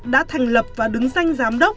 đã thành lập và đứng danh giám đốc